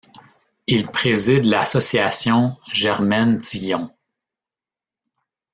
Il préside l’association Germaine Tillion.